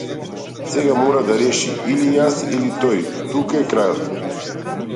Сега мора да реши или јас или тој тука е крајот.